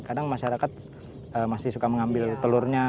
kadang masyarakat masih suka mengambil telurnya